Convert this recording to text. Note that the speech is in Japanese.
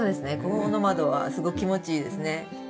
この窓はすごく気持ちいいですね。